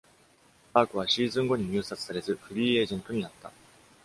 バークはシーズン後に入札されず、フリーエージェントになった。